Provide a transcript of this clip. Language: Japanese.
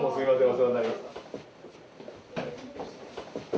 お世話になります